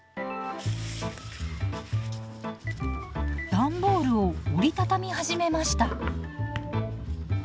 段ボールを折り畳み始めました。